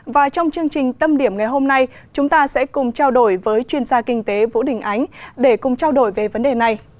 và trong chương trình tâm điểm ngày hôm nay chúng ta sẽ cùng trao đổi với chuyên gia kinh tế vũ đình ánh để cùng trao đổi về vấn đề này